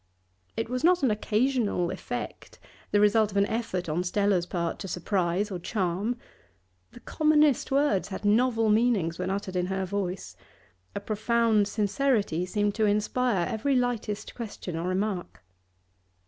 It was not an occasional effect, the result of an effort on Stella's part to surprise or charm; the commonest words had novel meanings when uttered in her voice; a profound sincerity seemed to inspire every lightest question or remark.